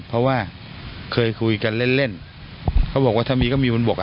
เพราะว่าเคยคุยกันเล่นเล่นเขาบอกว่าถ้ามีก็มีบนบกอ่ะ